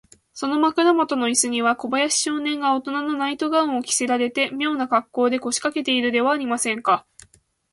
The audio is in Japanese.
その枕もとのイスには、小林少年がおとなのナイト・ガウンを着せられて、みょうなかっこうで、こしかけているではありませんか。